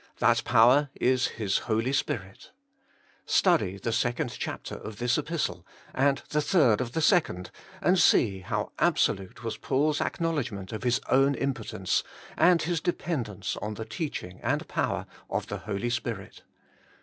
That power is His Holy Spirit. Study the second chapter of this Epistle, and the third of the Second, and see how absolute was Paul's acknowledgment of his own im potence, and his dependence on the teaching and power of the Holy Spirit.